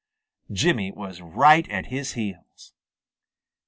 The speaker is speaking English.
Jimmy was right at his heels.